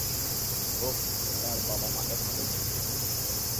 ওহ, তার বাবা-মা এখানেই থাকে?